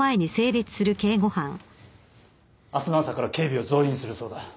明日の朝から警備を増員するそうだ。